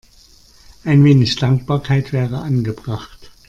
Ein wenig Dankbarkeit wäre angebracht.